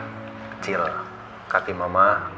kecil kaki mama